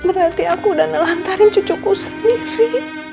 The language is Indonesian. berarti aku udah nelantarin cucuku sendiri